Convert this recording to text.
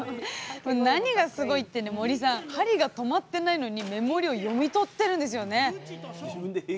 何がすごいってね森さん針が止まってないのに目盛りを読み取ってるんですよね！